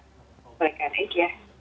boleh kan aja